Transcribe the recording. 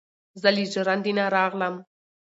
ـ زه له ژړندې نه راغلم،